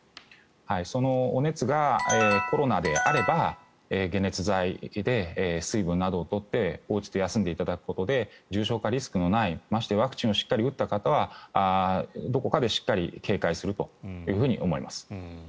そのお熱がコロナであれば解熱剤で、水分を取ってお家で休んでいくことで重症化リスクのないましてワクチンをしっかり打った方はどこかでしっかり軽快すると思います。